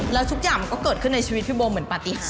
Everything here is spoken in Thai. แล้วทุกอย่างมันก็เกิดขึ้นในชีวิตพี่โบเหมือนปฏิหาร